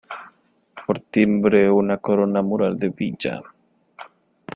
Por timbre una corona mural de villa.